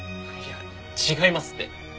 いや違いますって。